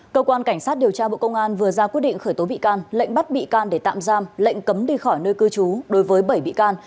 cơ quan cảnh sát điều tra bộ công an vừa ra quyết định khởi tố bị can lệnh bắt bị can để tạm giam lệnh cấm đi khỏi nơi cư trú đối với bảy bị can